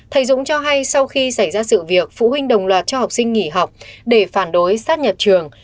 thầy dũng cho hay sau khi xảy ra sự việc phụ huynh đồng loạt cho học sinh nghỉ học để phản đối sát nhập trường